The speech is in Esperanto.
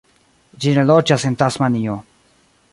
Ĝi ne loĝas en Tasmanio.